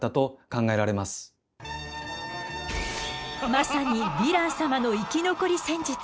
まさにヴィラン様の生き残り戦術！